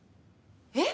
えっ！？